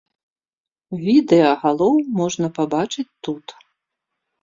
Відэа галоў можна пабачыць тут.